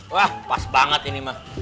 wah pas banget ini mah